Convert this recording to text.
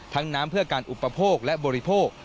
น้ำเพื่อการอุปโภคและบริโภค